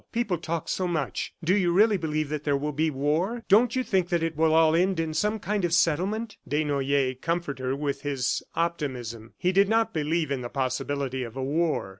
People talk so much. ... Do you really believe that there will be war? Don't you think that it will all end in some kind of settlement?" Desnoyers comforted her with his optimism. He did not believe in the possibility of a war.